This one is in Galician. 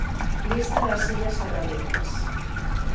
Lista das illas Sarónicas